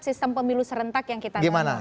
sistem pemilu serentak yang kita tahu gimana